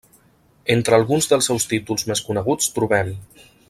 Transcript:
Entre alguns dels seus títols més coneguts trobem: